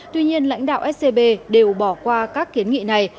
tuy nhiên lãnh đạo scb đều bỏ qua các kiến nghị này